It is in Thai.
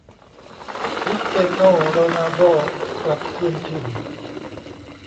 คริสเตียโน่ โรนัลโด้ กลับคืนถิ่น